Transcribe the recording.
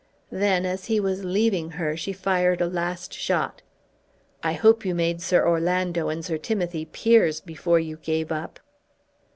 Then as he was leaving her she fired a last shot. "I hope you made Sir Orlando and Sir Timothy peers before you gave up."